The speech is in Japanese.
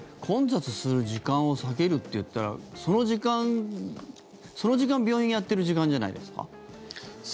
混雑する時間を避けるっていったらその時間、病院やってる時間じゃないですか？